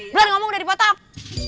belum ngomong udah dipotong